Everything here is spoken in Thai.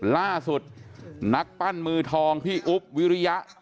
ล่าสุดนักปั้นมือทองพี่อุ๊บวิริยะ